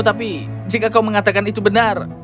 tapi jika kau mengatakan itu benar